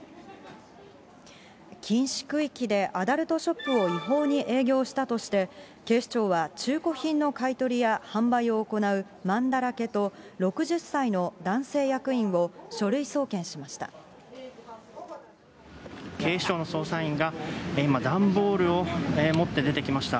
禁止区域でアダルトショップを違法に営業したとして、警視庁は中古品の買い取りや販売を行うまんだらけと、６０歳の男性役員を書類送検しました。